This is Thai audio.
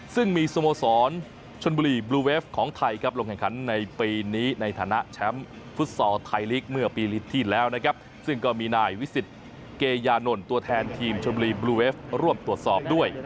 ซึ่งมีสโมสรชนบุรีบลูเวฟของไทยครับลงแข่งขันในปีนี้ในฐานะแชมป์ฟุตซอลไทยลีกเมื่อปีที่แล้วนะครับซึ่งก็มีนายวิสิทธิ์เกยานนท์ตัวแทนทีมชมบุรีบลูเวฟร่วมตรวจสอบด้วย